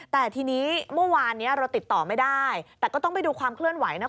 แต่ทีนี้เมื่อวานนี้เราติดต่อไม่ได้แต่ก็ต้องไปดูความเคลื่อนไหวนะ